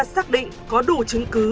xác định có đủ chứng cứ